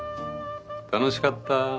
楽しかった。